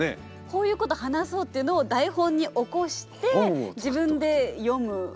こういうこと話そうっていうのを台本に起こして自分で読む覚える。